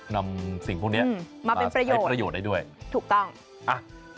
นำสิ่งพวกนี้มาใช้ประโยชน์ได้ด้วยถูกต้องอืมมาเป็นประโยชน์ถูกต้อง